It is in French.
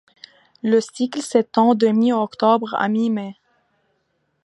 Le cycle s’étend de mi-octobre à mi-mai.